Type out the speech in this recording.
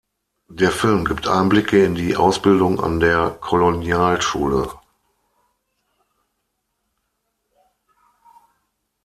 Der Film gibt Einblicke in die Ausbildung an der Kolonialschule.